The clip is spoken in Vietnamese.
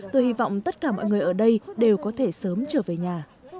tôi hy vọng tất cả mọi người ở đây đều có thể sớm trở về nhà